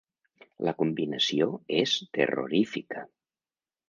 La combinació és terrorífica.